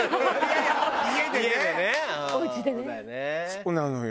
そうなのよ。